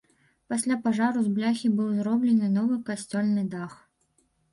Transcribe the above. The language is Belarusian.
Пасля пажару з бляхі быў зроблены новы касцёльны дах.